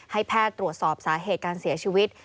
ให้แพทย์ตรวจสอบสาเหตุการเสียชีวิต